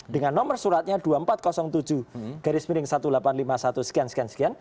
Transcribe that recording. dengan nomor suratnya dua ribu empat ratus tujuh seribu delapan ratus lima puluh satu xxx